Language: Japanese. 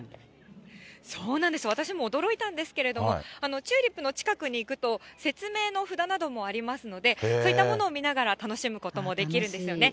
そうなんですよ、私も驚いたんですけれども、チューリップの近くに行くと、説明の札などもありますので、そういったものを見ながら楽しむこともできるんですよね。